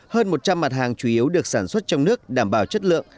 hơn một trăm linh mặt hàng chủ yếu được sản xuất trong nước đảm bảo chất lượng